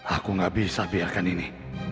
aku gak bisa biarkan ini